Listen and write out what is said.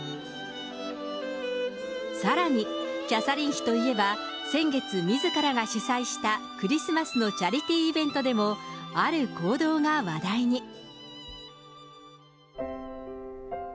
さらにキャサリン妃といえば、先月、みずからが主催したクリスマスのチャリティーイベントでもある行動が話題に。